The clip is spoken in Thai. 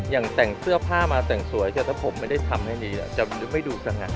อย่างแต่งเสื้อผ้ามาแต่งสวยแต่ถ้าผมไม่ได้ทำให้ดีจะนึกไม่ดูสง่า